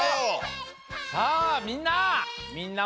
さあみんな！